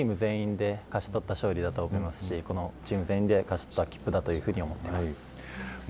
チーム全員で勝ち取った勝利だと思いますし全員で勝ち取った切符だと思っています。